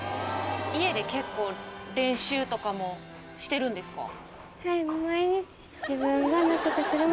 家で結構練習とかもしてるんですか？